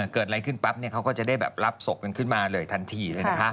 เกิดอะไรขึ้นปั๊บเขาก็จะได้รับศพกันขึ้นมาเลยทันทีเลยนะคะ